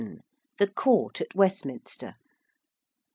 THE COURT AT WESTMINSTER.